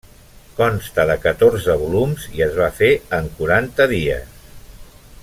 Consta de catorze volums i es va fer en quaranta dies.